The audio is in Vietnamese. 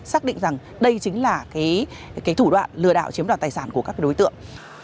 xác định rằng đây chính là cái thủ đoạn lừa đảo chiếm đoàn tài sản của các đối tượng